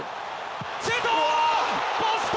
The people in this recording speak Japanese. シュート！